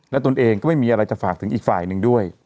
และตนเองก็ไม่มีอะไรจะฝากถึงอีกฝ่ายหนึ่งด้วย